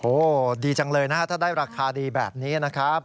โอ้โหดีจังเลยนะฮะถ้าได้ราคาดีแบบนี้นะครับ